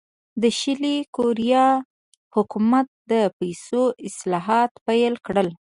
د شلي کوریا حکومت د پیسو اصلاحات پیل کړل.